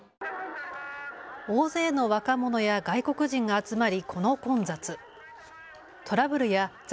大勢の若者や外国人が集まりこの混雑。